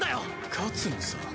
勝つのさ。